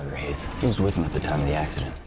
dia bersama mark di saat kejadian